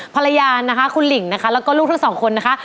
ภรรยานะครับคุณหลิงนะครับแล้วก็ลูกทั้งสองคนนะครับ